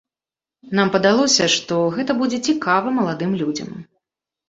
Нам падалося, што гэта будзе цікава маладым людзям.